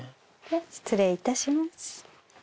失礼いたします。